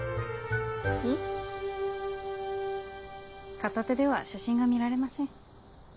片手では写真が見られません。